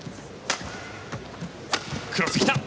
クロス、来た。